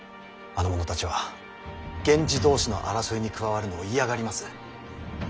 あの者たちは源氏同士の争いに加わるのを嫌がります。